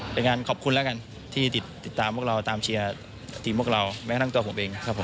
เป็นการขอบคุณแล้วกันที่ติดตามพวกเราตามเชียร์ทีมพวกเราแม้กระทั่งตัวผมเองครับผม